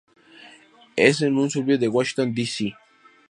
Es un suburbio de Washington D. C..